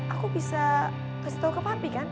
aku bisa kasih tahu ke pabrik kan